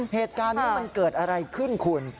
เหตุการณ์นี้มันเกิดอะไรขึ้นคุณ